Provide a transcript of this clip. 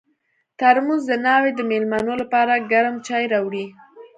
ترموز د ناوې د مېلمنو لپاره ګرم چای راوړي.